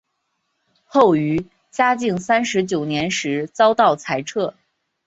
后于嘉靖三十九年时遭到裁撤。